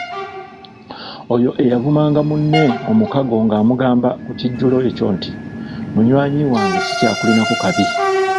Oyo eyavumanga munne omukago ng’amugamba ku kijjulo ekyo nti, “munywanyi wange sikyakulinako kabi.